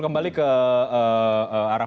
kembali ke arah